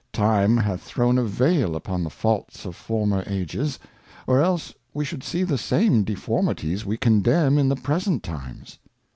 Time hath thrown a Vail upon the Faults of former Ages, or else we should see the same Deformities we condemn in the present Times.